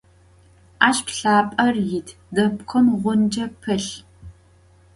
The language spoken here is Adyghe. Aş pılhap'er yit, depkhım ğunce pılh.